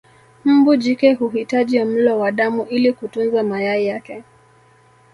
Mbu jike huhitaji mlo wa damu ili kutunza mayai yake